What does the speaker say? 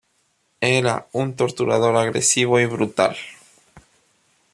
Era un torturador agresivo y brutal.